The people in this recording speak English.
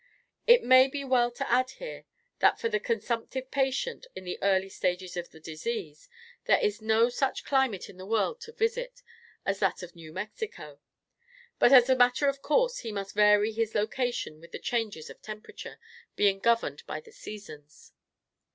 It may be well to add here, that for the consumptive patient, in the early stages of the disease, there is no such climate in the world to visit, as that of New Mexico; but, as a matter of course, he must vary his location with the changes of temperature, being governed by the seasons.